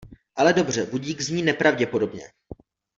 Ale dobře, budík zní nepravděpodobně.